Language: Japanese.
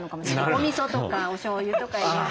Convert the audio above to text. おみそとかおしょうゆとかいろいろ。